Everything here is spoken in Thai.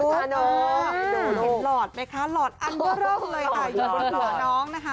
เห็นหลอดไหมคะหลอดอังกฤษเลยค่ะอยู่บนหล่อน้องนะคะ